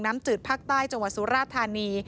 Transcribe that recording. จืดภาคใต้จังหวัดสุราธานี